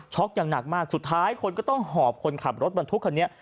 อย่างหนักมากสุดท้ายคนก็ต้องหอบคนขับรถบรรทุกคันนี้